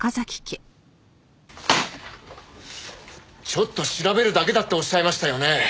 ちょっと調べるだけだっておっしゃいましたよね？